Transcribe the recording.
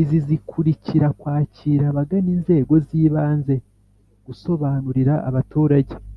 Izi Zikurikira Kwakira Abagana Inzego Z Ibanze Gusobanurira Abaturage